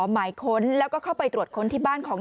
หมายค้นแล้วก็เข้าไปตรวจค้นที่บ้านของ